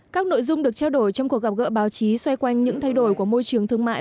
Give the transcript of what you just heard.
các nội dung được trao đổi trong cuộc gặp gỡ báo chí xoay quanh những thay đổi của môi trường thương mại